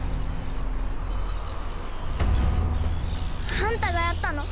あんたがやったの？